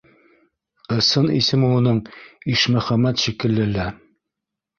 Ысын исеме шуның Ишмөхәмәт шикелле лә.